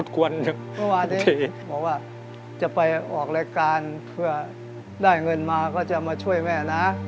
บอกว่าจะไปออกรายการเพื่อได้เงินมาก็จะมาช่วยแม่นะ